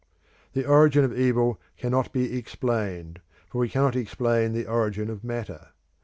The origin of evil cannot be explained, for we cannot explain the origin of matter.